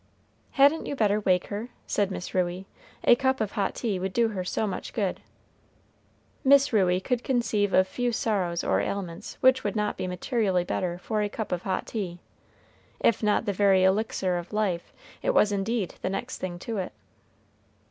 "Hadn't you better wake her?" said Miss Ruey; "a cup of hot tea would do her so much good." Miss Ruey could conceive of few sorrows or ailments which would not be materially better for a cup of hot tea. If not the very elixir of life, it was indeed the next thing to it.